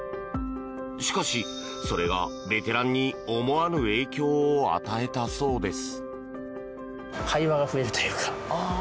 しかし、それがベテランに思わぬ影響を与えたそうです。